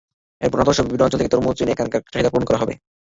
এরপর নাটোরসহ বিভিন্ন অঞ্চল থেকে তরমুজ এনে এখানকার চাহিদা পূরণ করা হবে।